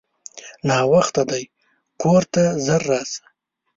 ناوخته دی کورته ژر راسه!